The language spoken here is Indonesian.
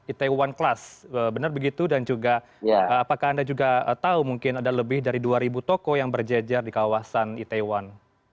itaewon class benar begitu dan juga apakah anda juga tahu mungkin ada lebih dari dua ribu toko yang berjejer di kawasan itaewon